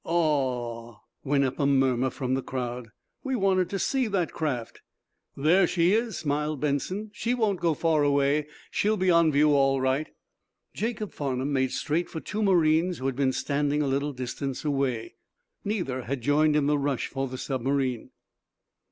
"Aw!" went up a murmur from the crowd. "We wanted to see that craft." "There she is," smiled Benson. "She won't go far away. She'll be on view, all right." Jacob Farnum made straight for two marines who had been standing a little distance away. Neither had joined in the rush for the submarine.